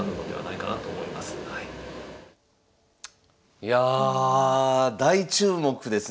いや大注目ですね